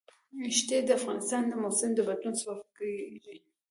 ښتې د افغانستان د موسم د بدلون سبب کېږي.